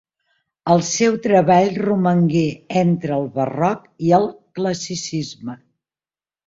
El seu treball romangué entre el Barroc i el Classicisme.